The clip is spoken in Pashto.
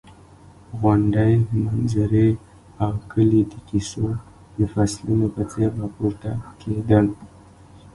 غونډۍ، منظرې او کلي د کیسو د فصلونو په څېر راپورته کېدل.